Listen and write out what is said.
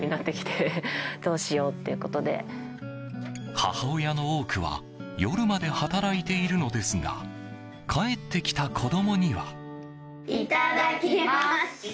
母親の多くは夜まで働いているのですが帰ってきた子供には。